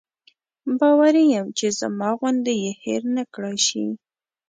باوري یم چې زما غوندې یې هېر نکړای شي.